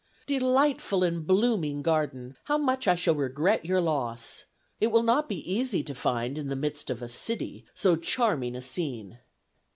"Delightful and blooming garden, how much I shall regret your loss! ... It will not be easy to find in the midst of a city so charming a scene."